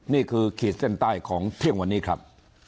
ขีดเส้นใต้ของเที่ยงวันนี้ครับ